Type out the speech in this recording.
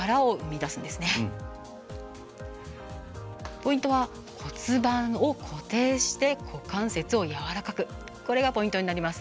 ポイントは骨盤を固定して、股関節をやわらかくこれがポイントになります。